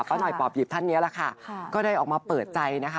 หน่อยปอบหยิบท่านนี้แหละค่ะก็ได้ออกมาเปิดใจนะคะ